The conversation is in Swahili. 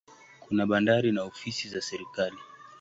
Kuna bandari na ofisi za serikali.